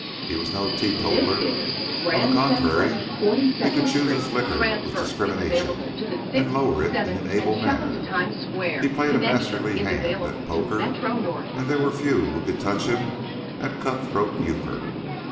He was no teetotaler. On the contrary, he could choose his liquor with discrimination, and lower it in an able manner. He played a masterly hand at poker, and there were few who could touch him at "cut throat euchre."